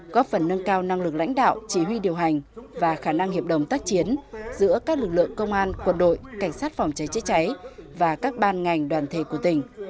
góp phần nâng cao năng lực lãnh đạo chỉ huy điều hành và khả năng hiệp đồng tác chiến giữa các lực lượng công an quân đội cảnh sát phòng cháy chữa cháy và các ban ngành đoàn thể của tỉnh